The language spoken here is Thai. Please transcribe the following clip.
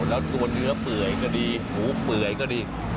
แล้วตัวเนื้อเปื่อยก็ดีหูเปื่อยก็ดี